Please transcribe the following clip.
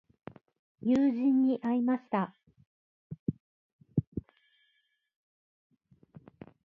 友人に会いました。